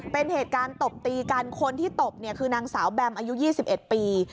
เป็นเหตุการณ์ตบตีกันคนที่ตบเนี่ยคือนางสาวแบมอายุ๒๑ปี